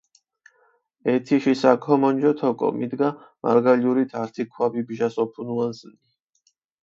ეთიში საქომონჯოთ ოკო, მიდგა მარგალურით ართი ქვაბი ბჟას ოფუნუანსჷნი.